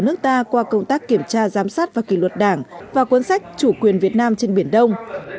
nước ta qua công tác kiểm tra giám sát và kỷ luật đảng và cuốn sách chủ quyền việt nam trên biển đông